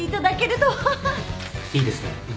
いいですね。